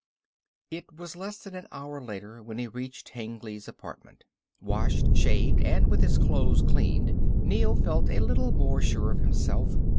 It was less than an hour later when he reached Hengly's apartment. Washed, shaved and with his clothes cleaned Neel felt a little more sure of himself.